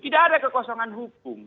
tidak ada kekosongan hukum